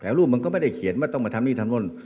มันก็ไม่ได้เขียนว่าต้องมาทำนี่ทำนั่น